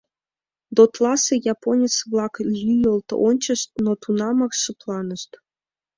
ДОТ-ласе японец-влак лӱйылт ончышт, но тунамак шыпланышт.